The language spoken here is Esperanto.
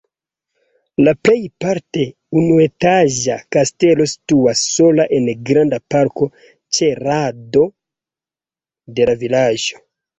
La plejparte unuetaĝa kastelo situas sola en granda parko ĉe rando de la vilaĝo.